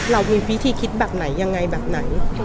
เรามีวิธีคิดแบบไหนยังไงแบบไหน